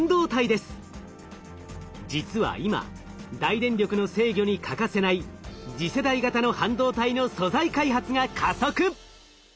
実は今大電力の制御に欠かせない次世代型の半導体の素材開発が加速！